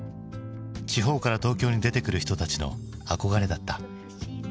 地方から東京に出てくる人たちの憧れだった。